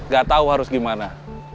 gak tahu harus gimana